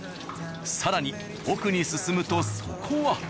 更に奥に進むとそこは。